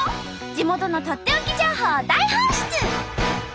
地元のとっておき情報を大放出！